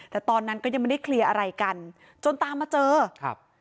แต่ตอนนั้นก็ยังไม่ได้เคลียร์อะไรกันจนตามมาเจอครับ